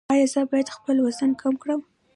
ایا زه باید خپل وزن کم کړم؟